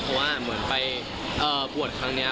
เพราะว่าเหมือนไปบวชครั้งนี้